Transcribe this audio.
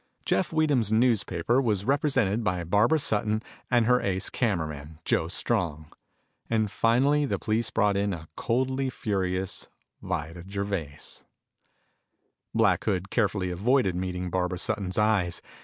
Jeff Weedham's newspaper was represented by Barbara Sutton and her ace cameraman, Joe Strong. And finally the police brought in a coldly furious Vida Gervais. Black Hood carefully avoided meeting Barbara Sutton's eyes.